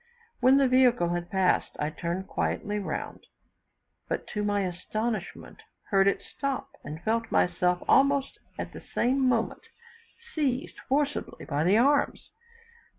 When the vehicle had passed, I turned quietly round; but, to my astonishment, heard it stop, and felt myself, almost at the same moment, seized forcibly by the arms.